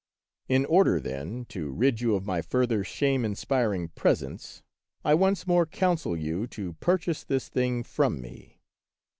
In order, then, to rid you of my further shame inspiring presence, I once more counsel you to purchase this thing from me."